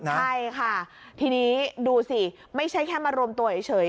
ใช่ค่ะทีนี้ดูสิไม่ใช่แค่มารวมตัวเฉย